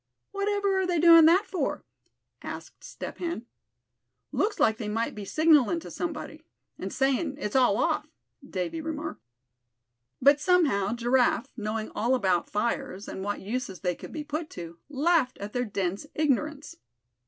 "Whatever are they doing that for?" asked Step Hen. "Looks like they might be signallin' to somebody, and sayin' 'it's all off,'" Davy remarked. But somehow Giraffe, knowing all about fires, and what uses they could be put to, laughed at their dense ignorance.